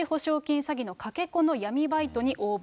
詐欺のかけ子の闇バイトに応募。